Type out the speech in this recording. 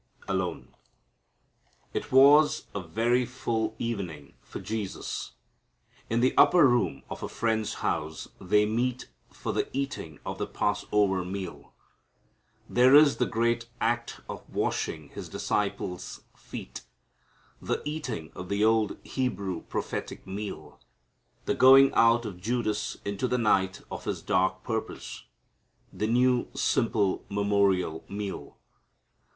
Alone. It was a very full evening for Jesus. In the upper room of a friend's house they meet for the eating of the Passover meal. There is the great act of washing His disciples' feet, the eating of the old Hebrew prophetic meal, the going out of Judas into the night of his dark purpose, the new simple memorial meal.